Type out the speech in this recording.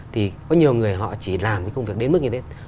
thì có nhiều người họ chỉ làm cái công việc đến mức như thế